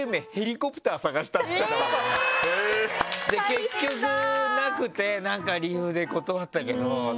結局なくて、何か理由で断ったけど。